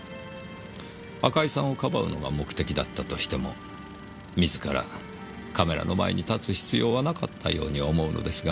赤井さんを庇うのが目的だったとしても自らカメラの前に立つ必要はなかったように思うのですが。